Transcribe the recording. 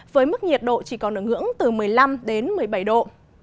với mức nhiệt độ chỉ còn ở ngưỡng từ một mươi năm đến một mươi bảy độ